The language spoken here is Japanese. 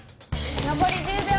残り１０秒！